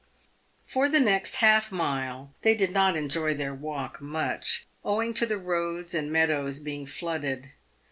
Tor the next half mile they did not enjoy their walk much, owing to the roads and meadows being flooded.